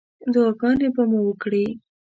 دعاګانې به مو وکړې.